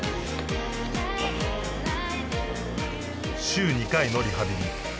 週２回のリハビリ